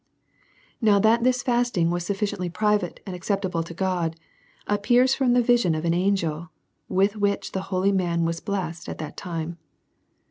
Now that this fasting was sufficiently private and acceptable to God, appears from the vision of an an gel, with which the holy man was blessed at that time.